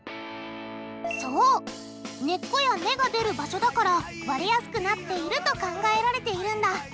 そう根っこや芽が出る場所だから割れやすくなっていると考えられているんだ。